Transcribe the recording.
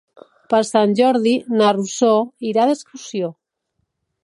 Per Sant Jordi na Rosó irà d'excursió.